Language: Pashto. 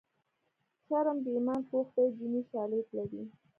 شرم د ایمان پوښ دی دیني شالید لري